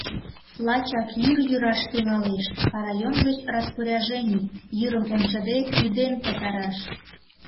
Лачак йӱр йӱраш тӱҥалеш, а район гыч распоряжений: «Йӱрым ончыде, ӱден пытараш!»